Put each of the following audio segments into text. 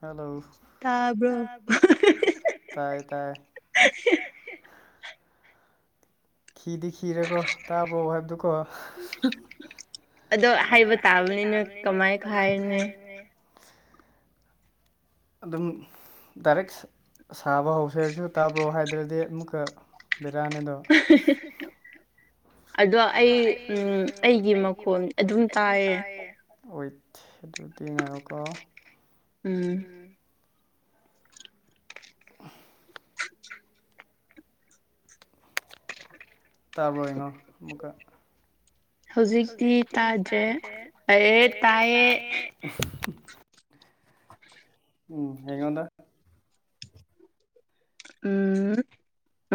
hello ꯇꯥꯕ꯭ꯔꯣ ꯇꯥꯏ ꯇꯥꯏ [unintelligible] ꯈꯤꯗꯤ ꯈꯤꯔꯦꯀꯣ ꯇꯥꯕ꯭ꯔꯣ ꯍꯥꯏꯕꯗꯨꯀꯣ ꯑꯗꯣ ꯍꯥꯏꯕ ꯇꯥꯕꯅꯤꯅ ꯀꯃꯥꯏ ꯈꯥꯏꯅꯦ ꯑꯗꯨꯝ ꯗꯥꯏꯔꯦꯛ ꯁꯥꯕ ꯍꯧꯁꯦ ꯍꯥꯏꯔꯁꯨ ꯇꯥꯕ꯭ꯔꯣ ꯍꯥꯏꯗ꯭ꯔꯗꯤ ꯑꯃꯨꯛꯀ ꯕꯦꯔꯥꯅꯤꯗꯣ [inaudible] ꯑꯗꯣ ꯑꯩ ꯎꯝ ꯑꯩꯒꯤ ꯃꯈꯣꯟ ꯑꯗꯨꯝ ꯇꯥꯏꯌꯦ ꯑꯗꯨꯌꯗꯤꯤ ꯉꯥꯏꯀꯣ ꯎꯝ ꯇꯥꯕ꯭ꯔꯣꯏꯅꯣ ꯑꯃꯨꯛꯀ ꯍꯧꯖꯤꯛꯇꯤ ꯇꯥꯗ꯭ꯔꯦ ꯑꯩ ꯇꯥꯏꯌꯦ ꯎꯝ ꯍꯉꯣꯟꯗ ꯎꯝ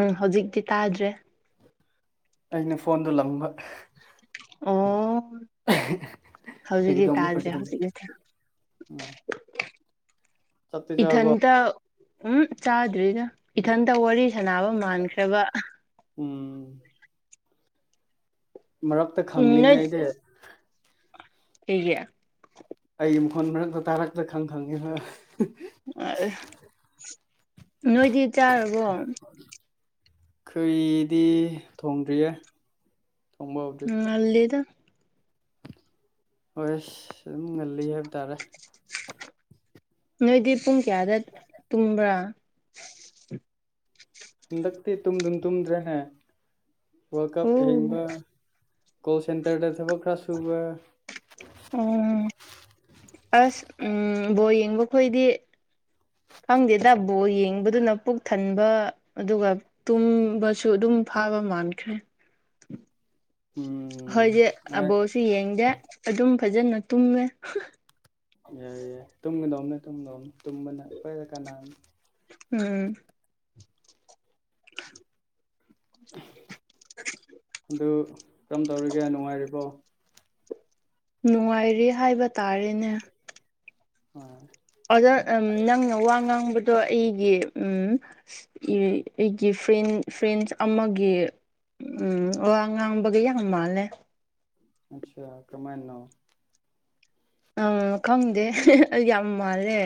ꯎꯝ ꯍꯧꯖꯤꯛꯇꯤ ꯇꯥꯗ꯭ꯔꯦ ꯑꯩꯅ ꯐꯣꯟꯗꯨꯣ ꯂꯝꯕ ꯑ ꯐꯥꯒꯤ ꯍꯧꯖꯤꯛꯀꯤ ꯇꯧꯕꯅꯤ ꯐꯥꯒꯤ ꯇꯥꯗ꯭ꯔꯦ ꯇꯧꯕꯅꯤ ꯍꯧꯖꯤꯛꯀꯤꯁꯦ ꯎꯝ ꯆꯥꯛꯇꯤ ꯆꯥꯔꯕꯣ ꯏꯊꯟꯇ ꯎꯝ ꯆꯥꯗ꯭ꯔꯤꯗ ꯏꯊꯟꯇ ꯋꯥꯔꯤ ꯁꯥꯟꯅꯕ ꯃꯥꯟꯈ꯭ꯔꯕ ꯎꯝ ꯃꯔꯛꯇ ꯈꯪꯂꯤꯝꯅꯦ ꯑꯩꯗꯤ ꯍꯒꯌꯥ ꯇ ꯃꯈꯣꯟ ꯃꯔꯛꯇ ꯇꯥꯔꯛꯇ ꯈꯪ ꯈꯪꯉꯤ ꯑ ꯅꯣꯏꯗꯤ ꯆꯥꯔꯕꯣ ꯀꯩꯗꯤ ꯊꯣꯡꯗ꯭ꯔꯤꯌꯦ ꯊꯣꯡꯕ ꯍꯧꯗ꯭ꯔꯤ ꯎꯜꯗ ꯍꯣꯏ ꯑꯁ ꯑꯗꯨꯝ ꯉꯜꯂꯤ ꯍꯥꯏꯕ ꯇꯥꯔꯦ ꯅꯣꯏꯗꯤ ꯄꯨꯡ ꯀꯌꯥꯗ ꯇꯨꯝꯕ꯭ꯔꯥ ꯍꯟꯗꯛꯇꯤ ꯇꯨꯝꯗꯨꯨꯝ ꯇꯨꯝꯗ꯭ꯔꯦꯅꯦ ꯋꯥꯔꯜ ꯀꯞ ꯑꯣ ꯍꯤꯡꯕ ꯀꯣꯜ ꯁꯦꯟꯇꯔꯗ ꯊꯕꯛ ꯈꯔ ꯁꯨꯕ ꯑꯣ ꯑꯁ ꯎꯝ ꯕꯣ ꯌꯦꯡꯕꯈꯣꯏꯗꯤ ꯈꯪꯗꯦ ꯇꯕꯣ ꯌꯦꯡꯕꯗꯨꯅ ꯄꯨꯛ ꯊꯟꯕ ꯑꯗꯨꯒ ꯇꯨꯝꯕꯁꯨ ꯑꯗꯨꯝ ꯐꯥꯕ ꯃꯥꯟꯈ꯭ꯔꯦ ꯎꯝ ꯍꯣꯏꯁꯦ ꯌꯥꯏ ꯑꯕꯣꯛꯁꯨ ꯌꯦꯡꯗꯦ ꯑꯗꯨꯝ ꯐꯖꯅ ꯇꯨꯝꯃꯦ ꯌꯥꯏ ꯌꯥꯏ ꯇꯨꯝꯒꯗꯧꯕꯅꯦ ꯇꯨꯝꯗꯧꯅꯦ ꯇꯨꯝꯕꯅ ꯑꯩꯣꯏꯗ ꯀꯅꯥ ꯎꯝ ꯑꯗꯨ ꯀꯔꯝ ꯇꯧꯔꯤꯒꯦ ꯅꯨꯡꯉꯥꯏꯔꯤꯕꯣ ꯅꯨꯡꯉꯥꯏꯔꯦ ꯍꯥꯏꯕ ꯇꯥꯔꯦꯅꯦ ꯍꯣꯏ ꯑꯣꯖꯥ ꯅꯪꯅ ꯋꯥ ꯉꯥꯡꯕꯗꯣ ꯑꯩ ꯑꯩ ꯎ ꯑꯩꯒꯤ ꯐ꯭ꯔꯦꯟ ꯐ꯭ꯔꯦꯟꯁ ꯑꯃꯒꯤ ꯎꯝ ꯑꯣ ꯑꯉꯥꯡꯕꯒ ꯌꯥꯝ ꯍꯪ ꯃꯥꯜꯂꯦ ꯑꯆꯥ ꯀ꯭ꯔꯃꯣ ꯑꯝ ꯈꯪꯗꯦ ꯌꯥꯝ ꯃꯥꯜꯂꯦ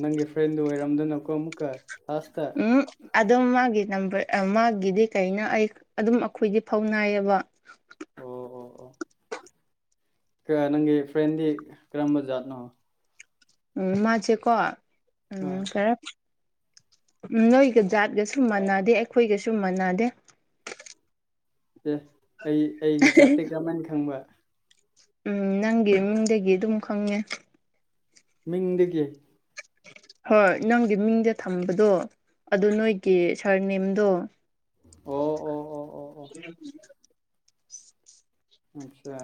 ꯅꯪꯒꯤ ꯐ꯭ꯔꯦꯟꯗꯨꯣ ꯑꯣꯏꯔꯝꯗꯅꯀꯣ ꯑꯃꯨꯛꯀ ꯂꯥꯁꯇ ꯎꯝ ꯑꯗꯨꯗꯝꯒꯤꯦ ꯅꯝꯕꯔ ꯃꯥꯒꯤꯗꯤ ꯀꯩꯅ ꯑꯩ ꯑꯗꯨꯝ ꯑꯩꯈꯣꯏꯗꯤ ꯐꯧꯅꯥꯏꯌꯦꯕ ꯑꯣ ꯑꯣ ꯑꯣ ꯀ ꯅꯪꯒꯤ ꯐ꯭ꯔꯗꯤ ꯀꯔꯝꯕꯖꯥꯠꯅꯣ ꯎꯝ ꯃꯥꯁꯦꯀꯣ ꯑ ꯎꯝ ꯈꯔꯦ ꯅꯣꯏꯒ ꯖꯥꯠꯀꯁꯨ ꯃꯥꯟꯅꯗꯦ ꯑꯩꯈꯣꯏꯒꯁꯨ ꯃꯥꯟꯅꯗꯦ ꯑꯦ ꯑꯩ ꯑꯩꯒꯤ ꯆꯥꯇꯤ ꯀꯃꯟ ꯈꯪꯕ ꯎꯝ ꯅꯪꯒꯤ ꯏꯃꯨꯡꯗꯒꯤ ꯑꯗꯨꯝ ꯈꯪꯉꯦ ꯃꯤꯡꯗꯒꯤ ꯍꯣꯏ ꯅꯪꯒꯤ ꯃꯤꯡꯗ ꯊꯝꯕꯗꯣ ꯑꯗꯨ ꯅꯣꯏꯒꯤ ꯁꯥꯔ ꯅꯦꯝꯗꯣ ꯑꯣ ꯑꯣ ꯑꯣ ꯑꯣ ꯑꯣ ꯑꯆꯥ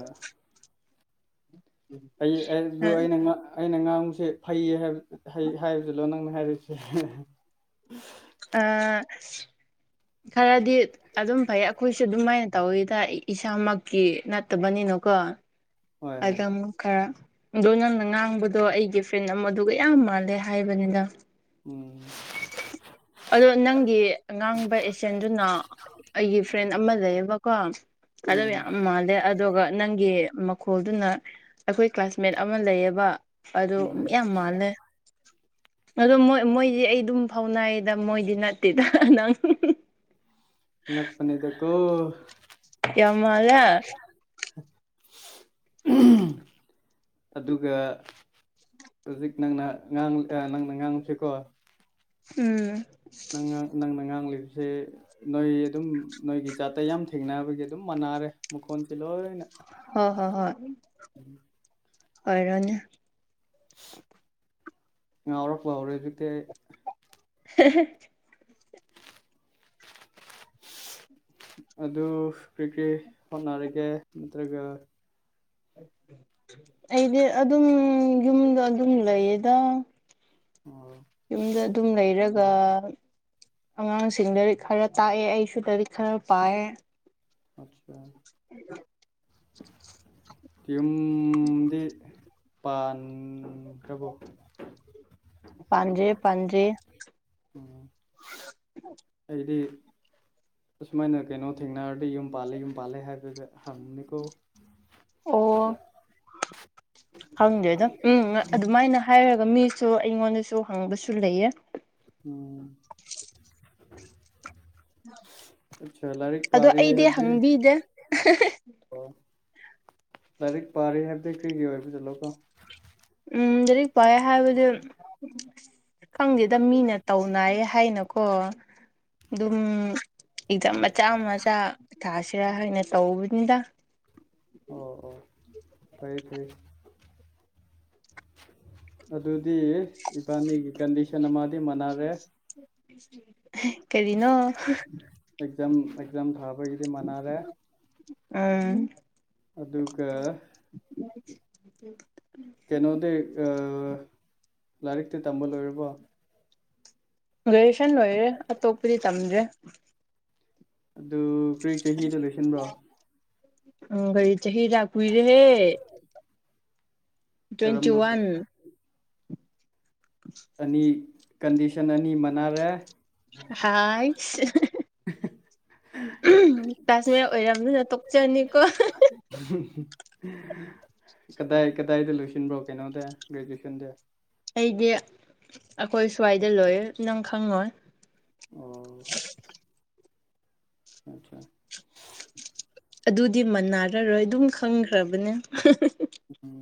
ꯑꯩ ꯑꯩꯅ ꯑꯩꯅ ꯉꯥꯨꯁꯦ ꯐꯩꯌꯦꯕ ꯍꯥꯏꯕꯁꯤꯂꯣ ꯅꯪꯅ ꯍꯥꯏꯔꯤꯁꯦ ꯑ ꯈꯔꯗꯤ ꯑꯗꯨꯝ ꯐꯩ ꯑꯩꯈꯣꯏꯁꯨ ꯑꯗꯨꯃꯥꯏꯅ ꯇꯧꯋꯤꯗ ꯏꯁꯥꯃꯛꯀꯤ ꯅꯠꯇꯕꯅꯤꯅꯣ ꯀꯣ ꯍꯣꯏ ꯑꯗ ꯍꯣꯏ ꯑꯃꯨꯛ ꯈꯔ ꯗꯣ ꯅꯜꯅ ꯉꯥꯡꯕꯗꯣ ꯑꯩꯒꯤ ꯐ꯭ꯔꯦꯟ ꯑꯃ ꯑꯗꯨꯒ ꯌꯥꯝ ꯃꯥꯜꯂꯦ ꯍꯥꯏꯕꯅꯤꯅ [unintelligible] ꯑꯗꯣ ꯅꯪꯒꯤ ꯑꯉꯥꯡꯕ ꯑꯦꯖꯦꯟꯗꯨꯅ ꯑꯩꯒꯤ ꯐ꯭ꯔꯦꯟ ꯑꯃ ꯂꯩꯌꯦꯕꯀꯣ ꯑꯗ ꯎꯝ ꯌꯥꯝ ꯃꯥꯂꯦ ꯑꯗꯒ ꯅꯪꯒꯤ ꯈꯣꯜꯗꯨꯅ ꯑꯩꯈꯣꯏ ꯀ꯭ꯂꯥꯁꯃꯦꯠ ꯑꯃ ꯂꯩꯌꯦꯕ ꯑꯗꯨ ꯎꯝ ꯌꯥꯝ ꯃꯥꯜꯂꯦ ꯑꯗꯣꯣꯏ ꯃꯣꯏꯗꯤ ꯑꯩꯗꯤ ꯑꯗꯨꯝ ꯐꯥꯎꯅꯌꯦꯗ ꯃꯣꯏꯗꯤ ꯅꯠꯇꯦꯗ ꯅꯪ ꯉꯄꯅꯦꯗꯀꯣ ꯀꯃꯂ ꯑꯗꯨꯒ ꯍꯧꯖꯤꯛ ꯅꯪꯅꯥꯡ ꯅꯪꯅ ꯉꯥꯡꯉꯨꯁꯤꯀꯣ ꯎꯝ ꯅꯪ ꯅꯪ ꯅꯪꯥꯡꯥꯡꯂꯤ ꯁꯦ ꯅꯣꯏ ꯑꯗꯨꯝ ꯅꯣꯏꯒꯤ ꯥꯠꯇ ꯌꯥꯝ ꯊꯦꯡꯅꯕꯒꯤ ꯑꯗꯨꯝ ꯃꯥꯟꯅꯥꯔꯦ ꯃꯈꯣꯟꯁ ꯂꯣꯏꯅ ꯍ ꯍꯣ ꯍꯣꯏ ꯎꯝ [unintelligible] [inaudible] ꯑꯣꯏꯔꯅꯤ ꯉꯥꯎꯔꯛꯄ ꯍꯧꯔꯦ ꯍꯧꯖꯤꯛꯇꯤ [unintelligible] [inaudible] ꯑꯗꯨ ꯀꯔꯤ ꯀꯔꯤ ꯍꯣꯠꯅꯔꯒꯦ ꯅꯠꯇ꯭ꯔꯒ ꯑꯩꯗꯤ ꯑꯗꯨꯝ ꯌꯨꯝꯗ ꯑꯗꯨꯝ ꯂꯩꯌꯦꯗ ꯌꯨꯝꯗ ꯑꯗꯨꯝ ꯂꯩꯔꯒ ꯑꯉꯥꯡꯁꯤꯡꯗꯗꯤ ꯈꯔ ꯇꯥꯛꯑꯦ ꯑꯩꯁꯨꯗꯗꯤ ꯈꯔ ꯄꯥꯏꯌꯦ ꯑꯆꯥ ꯎ [unintelligible] [inaudible] ꯌꯨꯝꯗꯤ ꯄꯥꯟꯈ꯭ꯔꯕꯣ ꯄꯟꯗꯔ꯭ꯤ ꯄꯥꯟꯗꯔ꯭ꯤ ꯎꯝ [unintelligible] [inaudible] ꯑꯁꯨꯃꯥꯏꯅ ꯀꯩꯅꯣ ꯊꯦꯡꯅꯔꯗꯤ ꯌꯨꯝ ꯄꯥꯜꯂꯦ ꯌꯨꯝ ꯄꯥꯜꯂꯦ ꯍꯥꯏꯕꯗ ꯍꯪꯅꯤꯀꯣ ꯍ [unintelligible] [inaudible] ꯍꯪꯗꯦ ꯑꯗꯝ ꯎꯝ ꯑꯗꯨꯃꯥꯏꯅ ꯍꯥꯏꯔꯒ ꯃꯤꯁꯨ ꯑꯩꯉꯣꯟꯗꯁꯨ ꯍꯪꯕꯁꯨ ꯂꯩꯌꯦ ꯎꯝ ꯑꯠꯆꯥ ꯂꯥꯏꯔꯤꯛ ꯑꯗꯣ ꯄꯥꯔꯤ ꯑꯩꯗꯤ ꯍꯥꯏꯕꯗꯤ ꯍꯪꯕꯤꯗꯦ ꯑꯣ ꯂꯥꯏꯔꯤꯛ ꯄꯥꯔ ꯍꯥꯏꯕꯗꯤ ꯀꯔꯤꯒꯤꯩ ꯑꯣꯏꯕ ꯆꯠꯂꯣꯀꯣ ꯎꯝ ꯑꯗꯨꯗꯤ ꯄꯦ ꯍꯥꯏꯕꯨꯗꯤ ꯈꯪꯗꯦꯗ ꯃꯤꯅ ꯇꯧꯅꯌꯦ ꯍꯥꯏꯅꯀꯣ ꯑꯗꯨꯝ ꯏꯖ ꯃꯆꯥ ꯃꯆꯥ ꯊꯁꯤꯔꯥ ꯍꯅ ꯇꯧꯕꯅꯤꯗ ꯑꯣ ꯑꯣ ꯐꯔꯌꯦ ꯐꯩꯌꯦ ꯑꯗꯨꯗ ꯗꯤ ꯏꯕꯥꯅꯤꯒꯤ ꯀꯟꯗꯤꯁꯟ ꯑꯃꯗꯤꯗꯤ ꯃꯅꯥꯔꯦ ꯀꯦꯔꯤꯅꯣ ꯑꯦꯛꯖꯥꯝ ꯑꯦꯛꯖꯥꯝ ꯊꯥꯕꯒꯤꯗꯤ ꯃꯥꯟꯅꯔꯦ ꯎꯝ ꯑꯗꯨꯒ ꯝ [unintelligible] [inaudible] ꯀꯩꯅꯣꯗꯤ ꯂꯥꯏꯔꯤꯛꯇꯤ ꯇꯝꯕ ꯂꯣꯏꯔꯕꯣ ꯒ꯭ꯔꯦꯖꯨꯦꯁꯟ ꯂꯣꯏꯔꯦ ꯑꯇꯣꯞꯄꯗꯤ ꯇꯝꯗ꯭ꯔꯦ ꯑꯗꯨ ꯀꯔꯤ ꯆꯍꯤꯗ ꯂꯣꯏꯁꯤꯟꯕ꯭ꯔꯣ ꯎ ꯒꯥꯔꯤ ꯆꯍꯤ ꯂꯥꯛ ꯀꯨꯏꯔꯦꯦ ꯇ꯭ꯋꯦꯟꯇꯤ ꯀꯔꯝꯕ ꯋꯥꯟ ꯑꯅꯤ ꯀꯟꯗꯤꯁꯟ ꯑꯅꯤ ꯃꯅꯥꯔꯦ ꯍꯥ [unintelligible] [inaudible] ꯀꯥꯁꯃꯤꯔ ꯑꯣꯏꯔꯕꯝꯅꯤꯅ ꯇꯣꯛꯆꯅꯤꯀꯣ ꯀꯗꯥꯏ ꯀꯗꯥꯏꯗ ꯂꯣꯏꯁꯤꯟꯕ꯭ꯔꯣ ꯀꯩꯅꯣꯗ ꯒ꯭ꯔꯦꯖꯨꯦꯁꯟꯁꯦ ꯑꯩꯗꯤ ꯑꯩꯈꯣꯏ ꯁ꯭ꯋꯥꯏꯗ ꯂꯣꯏ ꯅꯪ ꯈꯪꯉꯣꯏ ꯑꯣ ꯑꯥ [unintelligible] [inaudible] ꯑꯗꯨꯗꯤ ꯃꯅꯔꯔꯣꯏ ꯑꯗꯨꯝ ꯈꯪꯈ꯭ꯔꯕꯅꯦ ꯎꯝ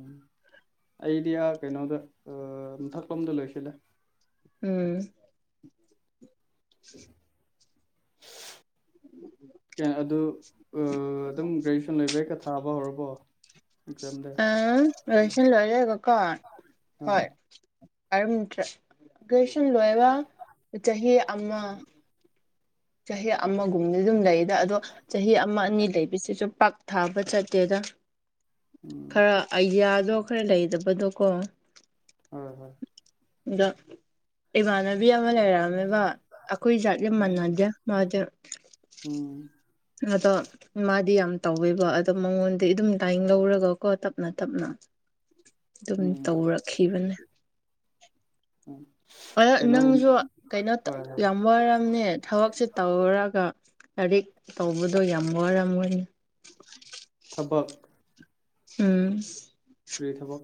ꯑꯩꯗꯤ ꯑ ꯀꯩꯅꯣꯗ ꯃꯊꯛꯂꯣꯝꯗ ꯂꯣꯏꯁꯤꯜꯂꯦ ꯎꯝ [inaudible] ꯀ ꯑꯗꯨ ꯑꯗꯨꯝ ꯒ꯭ꯔꯦꯖꯨꯑꯌꯦꯁꯟ ꯂꯩꯕ ꯍꯦꯛꯀ ꯊꯥꯕ ꯍꯧꯔꯕꯣ ꯑꯦꯛꯖꯥꯝꯗꯤ ꯑꯝ ꯔꯁ ꯂꯣꯏꯔꯦꯀꯣ ꯀ ꯍ ꯑꯥ ꯒ꯭ꯔꯦꯖꯨꯦꯁꯟ ꯂꯣꯏꯔꯒ ꯆꯍꯤ ꯑꯃ ꯆꯍꯤ ꯑꯃꯒꯨꯝꯕꯗꯤ ꯑꯗꯨꯝ ꯂꯩꯗ ꯑꯗꯣ ꯆꯍꯤ ꯑꯃ ꯑꯅꯤ ꯂꯩꯕꯤꯁꯤꯁꯨ ꯄꯥꯛ ꯊꯥꯕ ꯆꯠꯇꯦꯗ ꯎꯝ ꯈꯔ ꯑꯥꯏꯗꯤꯌꯥ ꯑꯗꯣ ꯈꯔ ꯂꯩꯗꯕꯗꯣꯀꯣ ꯍꯣꯏ ꯍꯣꯏ ꯑꯗꯣ ꯏꯃꯥꯟꯅꯕꯤ ꯑꯃ ꯂꯩꯔꯛꯑꯝꯃꯦꯕ ꯑꯩꯈꯣꯏ ꯖꯥꯠ ꯌꯥꯝ ꯃꯥꯟꯅꯗꯦ ꯃꯥꯗꯝ ꯎꯝ ꯑꯗꯣ ꯃꯥꯗꯤ ꯌꯥꯝ ꯇꯧꯋꯦꯕ ꯑꯗꯣ ꯃꯉꯣꯟꯗ ꯑꯗꯨꯝ ꯂꯥꯏꯟ ꯂꯧꯔꯒꯀꯣ ꯇꯞꯅ ꯇꯞꯅ ꯑꯗꯨꯝ ꯎꯝ ꯇꯧꯔꯛꯈꯤꯕꯅꯦ ꯎꯝ ꯑ ꯀꯩꯅꯣꯒꯨꯝ ꯅꯪꯁꯨ ꯀꯩꯅꯣ ꯍꯣꯏ ꯍꯣꯏ ꯌꯥꯝ ꯋꯥꯔꯝꯅꯦ ꯊꯕꯛꯁꯦ ꯇꯧꯔꯒꯥ ꯂꯥꯏꯔꯤꯛ ꯇꯧꯕꯗꯣ ꯌꯥꯝ ꯋꯥꯔ ꯑꯣꯏꯅꯦ ꯍꯧꯕꯛ ꯎꯝ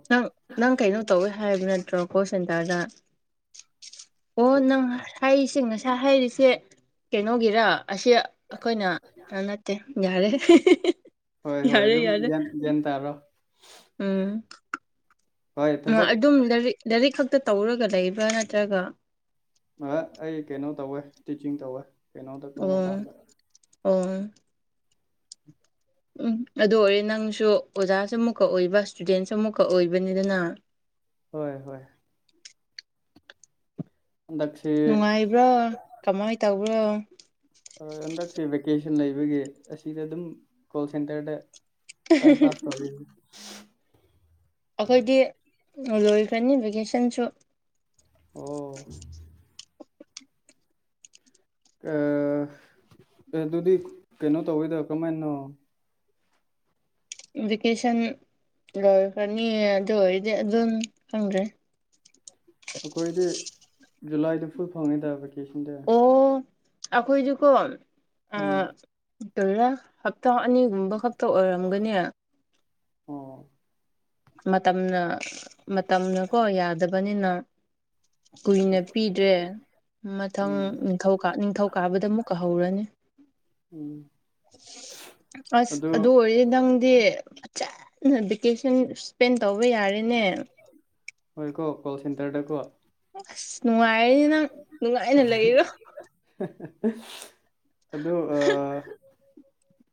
ꯅꯪ ꯅꯪ ꯀꯩꯅꯣ ꯇꯧꯋꯦ ꯍꯥꯏꯅꯤꯅ ꯭ꯔꯣ ꯀꯣ ꯁꯦꯟꯇꯔꯗꯥ ꯑꯣ ꯅꯪ ꯍꯩꯁꯤꯡ ꯉꯁꯥ ꯍꯩꯔꯤꯁꯦ ꯀꯩꯅꯣꯒꯤꯔ ꯑꯁꯤ ꯑꯩꯈꯣꯏꯅꯥ ꯅꯠꯇꯦ ꯌꯥꯔꯦ ꯍꯣꯏ ꯍꯣꯏ ꯌꯥꯔꯦ ꯑꯗꯨꯝꯟ ꯌꯥꯔꯦ ꯒ꯭ꯌꯥꯟ ꯇꯥꯔꯣ ꯎꯝ ꯍꯣꯏ ꯊꯕꯛ ꯑꯗꯨꯝ ꯂꯥꯏꯔꯤꯛ ꯂꯥꯏꯔꯤꯛ ꯈꯛꯇ ꯇꯧꯔꯒ ꯂꯩꯕ꯭ꯔꯥ ꯅꯠꯇ꯭ꯔꯒ ꯑꯩ ꯀꯩꯅꯣ ꯇꯧꯋꯦ ꯇꯤꯆꯤꯡ ꯇꯧꯋꯦ ꯀꯩꯅꯣ ꯇꯄ ꯑꯣ ꯃꯄꯥꯟꯗ ꯑꯣ ꯎꯝ [unintelligible] ꯑꯗꯨ ꯑꯣꯏꯔꯦ ꯅꯪꯁꯨ ꯑꯣꯖꯥꯁꯨ ꯑꯃꯨꯛꯀ ꯑꯣꯏꯕ ꯏꯁꯇꯨꯗꯦꯟꯁꯨ ꯑꯃꯨꯛꯀ ꯑꯣꯏꯕꯅꯤꯗꯅ ꯍꯣꯏ ꯍꯣꯏ ꯍꯟꯗꯛꯁꯤ ꯅꯨꯡꯉꯥꯏꯕ꯭ꯔꯥ ꯀꯃꯥꯏꯅ ꯇꯧꯕ꯭ꯔꯣ ꯍꯟꯗꯛꯁꯤ ꯚꯦꯀꯦꯁꯟ ꯂꯩꯕꯒꯤ ꯑꯁꯤꯗ ꯑꯗꯨꯝ ꯀꯣꯜ ꯁꯦꯟꯇꯔꯗ ꯇꯥꯏꯝ ꯄꯥꯁ ꯇꯧꯔꯤ ꯑꯩꯈꯣꯏꯗꯤ ꯂꯣꯏꯈ꯭ꯔꯅꯤ ꯚꯦꯀꯦꯁꯟꯁꯨ ꯑꯣ ꯑ ꯑꯗꯨꯗꯤ ꯀꯩꯅꯣ ꯇꯧꯋꯤꯗ ꯀꯃꯥꯏꯅꯣ ꯀꯦꯁꯟ ꯂꯈꯅꯤꯗꯗꯤ ꯑꯗꯨꯟ ꯍꯪ꯭ꯔꯦ ꯑꯩꯈꯣꯏꯗꯤ ꯖꯨꯂꯥꯏꯗ ꯐꯨꯜ ꯐꯪꯉꯤꯗ ꯚꯦꯀꯦꯁꯟꯗꯦ ꯑꯩꯈꯣꯏꯗꯨꯀꯣ ꯎꯝ ꯗꯇꯔ ꯍꯞꯇꯥ ꯑꯅꯤꯒꯨꯝꯕ ꯈꯛꯇ ꯑꯣꯏꯔꯝꯒꯅꯤ ꯑꯣ ꯃꯇꯝꯅ ꯃꯇꯝꯅ ꯀꯣ ꯌꯥꯗꯕꯅꯤꯅ ꯀꯨꯏꯅ ꯄꯤꯗ꯭ꯔꯦ ꯃꯊꯪ ꯎꯝ ꯅꯤꯡꯊꯧꯥ ꯅꯤꯡꯊꯧꯀꯥꯕꯗ ꯑꯃꯨꯛ ꯀꯥꯍꯧꯔꯅꯤ ꯎꯝ ꯑꯁ ꯑꯗꯨ ꯑꯣꯏꯔꯗꯤ ꯅꯪꯗꯤꯆꯥ ꯚꯦꯀꯦꯁꯟ ꯏꯁꯄꯦꯟ ꯇꯧꯕ ꯌꯥꯔꯦꯅꯦ ꯍꯣꯏ ꯀꯣ ꯀꯣ ꯆꯟꯇꯔ ꯀꯣ ꯑꯁ ꯅꯨꯡꯉꯥꯏꯔꯅꯦ ꯅꯪ ꯅꯨꯡꯉꯥꯏꯅ ꯂꯩꯔꯣ ꯑꯗꯨꯗ ꯑ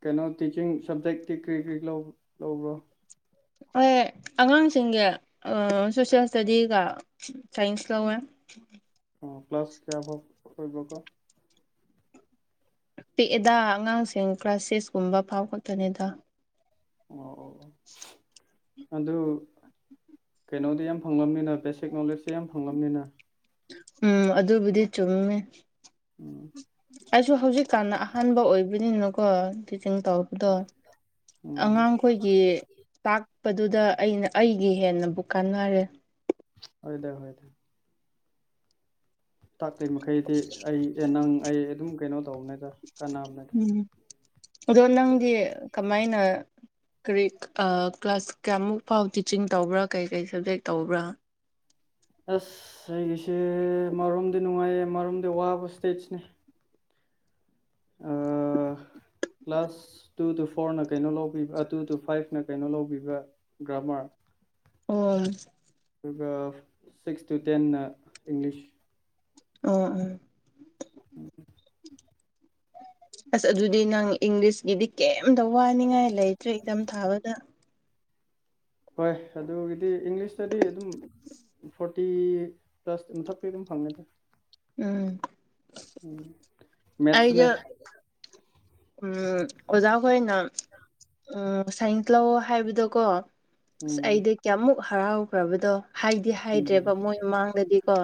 ꯀꯩꯅꯣ ꯇꯤꯆꯤꯡ ꯁꯞꯖꯦꯛꯇꯤ ꯀꯔꯤ ꯀꯔꯤ ꯂꯧꯕ꯭ꯔꯣ ꯍꯣꯏ ꯑꯉꯥꯡꯁꯤꯡꯒꯤ ꯁꯣꯁꯦꯜ ꯏꯁꯇꯗꯤꯒ ꯁꯥꯏꯟꯁ ꯂꯧꯋꯦ [unintelligible] ꯑꯣ ꯄ ꯀ꯭ꯂ꯭ꯂꯥꯁ ꯀꯌꯥꯐꯕ ꯑꯣꯏ ꯀꯣ ꯄꯤꯛꯑꯦꯗ ꯑꯉꯥꯡꯁꯤꯡ ꯀ꯭ꯂꯥꯁ ꯁꯤꯁꯀꯨꯝꯕ ꯐꯥꯎ ꯈꯠꯇꯅꯤꯗ ꯑꯣ ꯑꯗꯨ ꯀꯩꯅꯣꯗꯤ ꯌꯥꯝ ꯐꯪꯂꯝꯕꯅꯤꯅ ꯕꯦꯁꯤꯛ ꯅꯣꯂꯦꯖꯇ ꯌꯥꯝ ꯐꯪꯂꯝꯅꯤꯅ ꯎꯝ ꯑꯗꯨꯕꯨꯗꯤ ꯆꯨꯝꯃꯦ ꯎꯝ ꯑꯩꯁꯨ ꯍꯧꯖꯤꯛꯀꯥꯟꯗ ꯑꯍꯥꯟꯕ ꯑꯣꯏꯕꯅꯤꯅꯀꯣ ꯁꯤꯡ ꯇꯧꯔꯛꯄꯗꯣ ꯎꯝ ꯑꯉꯥꯡꯈꯣꯏꯒꯤ ꯇꯥꯛ ꯆꯄꯗꯨꯗ ꯑꯩꯅ ꯑꯩꯒꯤ ꯍꯦꯟꯅꯕꯨ ꯀꯥꯟꯅꯔꯦ ꯐꯗ ꯍꯗ ꯇꯥꯛꯂꯤꯩ ꯃꯈꯩꯗꯤ ꯑꯩ ꯅꯪ ꯑꯩ ꯑꯗꯨꯝ ꯀꯩꯅꯣ ꯇꯧꯕꯅꯦꯗ ꯀꯥꯟꯅꯕꯅꯦꯗ ꯎꯝ ꯑꯗꯣ ꯅꯪꯗꯤ ꯀꯃꯥꯏꯅ ꯀꯔꯤ ꯀ꯭ꯂꯥꯁ ꯀꯌꯥꯃꯨꯛ ꯐꯥꯎ ꯇꯤꯆꯤꯡ ꯇꯧꯕ꯭ꯔꯥ ꯀꯔꯤꯀꯩ ꯁꯕꯖꯦꯛ ꯇꯧꯕ꯭ꯔꯥ ꯑꯁ ꯑꯩꯒꯤꯁꯦ ꯃꯔꯣꯝꯗꯤ ꯅꯨꯡꯉꯥꯏꯌꯦ ꯃꯔꯣꯝꯗꯤ ꯋꯥꯕ ꯁꯇꯦꯠꯁꯅꯦ ꯑ ꯀ꯭ꯂꯥꯁ ꯇꯨ ꯇꯨ ꯐꯣꯔꯅ ꯀꯩꯅꯣ ꯂꯧꯕꯤꯕ ꯇꯨ ꯇꯨ ꯐꯥꯏꯚꯅ ꯀꯩꯅꯣ ꯂꯧꯕꯤꯕ ꯒ꯭ꯔꯥꯃꯥꯔ ꯑꯣ ꯑꯗꯨꯒ ꯁꯤꯛꯁ ꯇꯨ ꯇꯦꯟꯅ ꯏꯪꯂꯤꯁ ꯑ ꯎꯝ ꯎꯝ [inaudible] ꯑꯁ ꯑꯗꯨꯗꯤ ꯅꯪ ꯏꯪꯂꯤꯁꯀꯤꯗꯤ ꯀꯩꯝꯇ ꯋꯥꯅꯤꯡꯉꯥꯏ ꯂꯩꯇ꯭ꯔꯦ ꯏꯊꯝ ꯊꯥꯕꯗ ꯍꯣꯏ ꯑꯗꯨꯒꯤꯗꯤ ꯏꯪꯂꯤꯁꯇꯗꯤ ꯑꯗꯨꯝ ꯐꯣꯔꯇꯤ ꯄ꯭ꯂꯁ ꯃꯊꯛꯇ ꯑꯗꯨꯝ ꯐꯪꯉꯗ ꯎꯝ ꯎꯝ ꯑꯩꯗꯣ ꯃꯦꯠꯁꯅꯦ ꯎꯝ ꯑꯣꯖꯥ ꯍꯣꯏꯅ ꯎ ꯁꯥꯏꯟꯁ ꯂꯧ ꯍꯥꯏꯕꯗꯀꯣ ꯑꯁ ꯎꯝ ꯑꯩꯗꯤ ꯀꯌꯥꯃꯨꯛ ꯍꯔꯥꯎꯈ꯭ꯔꯕꯗꯣ ꯍꯥꯏꯗꯤ ꯍꯥꯏꯗ꯭ꯔꯦꯕ ꯃꯣꯏ ꯃꯃꯥꯡꯗꯗꯤꯀꯣ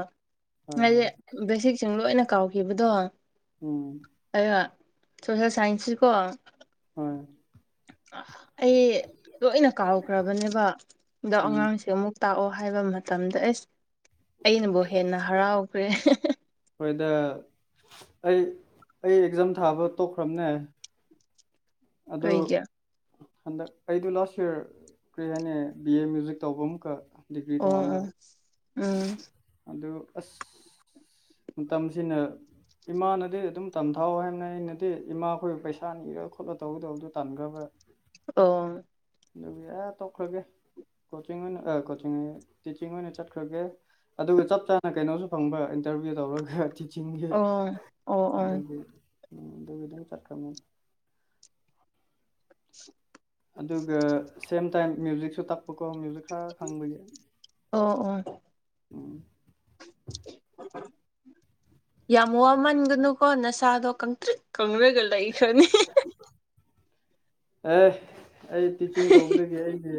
ꯍꯣꯏ ꯍꯥꯏꯗꯤ ꯍꯣꯏ ꯕꯦꯁꯤꯛꯁꯤꯡ ꯂꯣꯏꯅ ꯀꯥꯎꯈꯤꯕꯗꯣ ꯑ ꯎꯝ ꯁꯣꯁꯦꯜ ꯁꯥꯏꯟꯁꯁꯤ ꯀꯣ ꯎꯝ ꯑꯩ ꯂꯣꯏꯅ ꯀꯥꯎꯈ꯭ꯔꯕꯅꯦꯕ ꯍꯟꯗꯛ ꯎꯝ ꯑꯉꯥꯡꯁꯦ ꯑꯃꯨꯛ ꯇꯥꯛꯑꯣ ꯍꯥꯏꯕ ꯃꯇꯝꯗ ꯑꯦꯁ ꯑꯩꯅꯕꯨ ꯍꯦꯟꯅ ꯍꯔꯥꯎꯈ꯭ꯔꯦ ꯍꯣꯏꯗ ꯑꯩ ꯑꯩ ꯑꯦꯛꯖꯥꯝ ꯊꯥꯕ ꯇꯣꯛꯈ꯭ꯔꯕꯅꯦ ꯑꯗꯣ ꯀꯩꯒꯤ ꯑꯣ ꯍꯟꯗꯛ ꯑꯩꯗ ꯂꯥꯁ ꯌꯔ ꯀꯔꯤ ꯍꯥꯏꯅꯤ ꯕꯤ ꯑꯦ ꯃ꯭ꯌꯨꯖꯤꯛ ꯇꯧꯕ ꯑꯃꯨꯛꯀ ꯗꯤꯒ꯭ꯔꯤ ꯇꯣꯉꯥꯟꯕ ꯑꯣ ꯎꯝ ꯑꯗꯨ ꯑꯁ ꯃꯇꯝꯁꯤꯅ ꯏꯃꯥꯅꯗꯤ ꯑꯗꯨꯝ ꯇꯝꯊꯥꯎꯋ ꯍꯥꯏꯕꯅ ꯑꯩꯅꯗꯤ ꯏꯃꯥꯈꯣꯏ ꯄꯩꯁꯥ ꯅꯤꯔꯒ ꯈꯣꯠꯂ ꯇꯧꯗꯧꯗꯣ ꯇꯥꯟꯈ꯭ꯔꯕ ꯑꯣ ꯑꯗꯨꯒ ꯏꯔ ꯇꯧꯈ꯭ꯔꯒꯦ ꯀꯣꯆꯤꯡ ꯑꯣꯏꯅ ꯀꯣꯆꯤꯡ ꯇꯤꯆꯤꯡ ꯑꯣꯏꯅ ꯆꯠꯈ꯭ꯔꯒꯦ ꯑꯗꯨꯒ ꯆꯞ ꯆꯥꯅ ꯀꯩꯅꯣꯁꯨ ꯐꯪꯕ ꯏꯟꯇꯔꯚꯤꯌꯨ ꯇꯧꯔꯒ ꯆꯤꯡꯈꯦ ꯑꯣ ꯑꯣ ꯑꯗ ꯑꯣ ꯎꯝ ꯑꯗꯨꯕꯤꯗ ꯆꯠꯀ ꯑꯗꯨꯒ ꯁꯦꯝ ꯇꯥꯏꯝ ꯃ꯭ꯌꯨꯖꯤꯛꯁꯨ ꯇꯥꯛꯄꯀꯣ ꯃ꯭ꯌꯨꯖꯤꯛ ꯀꯊ ꯈꯪꯕꯒ ꯑꯣ ꯑꯣ ꯎꯝ ꯌꯥꯝ ꯋꯥꯃꯟꯒꯅꯨꯀꯣ ꯅꯁꯥꯗꯣ ꯀꯪꯇ꯭ꯔꯤ ꯀꯪ ꯂꯩꯏ ꯈꯅꯤ ꯑꯦ ꯑꯩ ꯇꯤꯆꯤꯡ ꯇꯧꯕꯗꯒꯤ ꯑꯩꯒꯤ